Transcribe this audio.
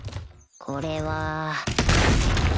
これは